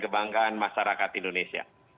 kebanggaan masyarakat indonesia